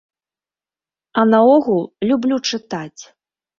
А наогул люблю чытаць.